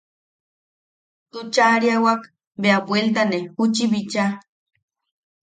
Tuchaariawak bea bueltane juchi bicha.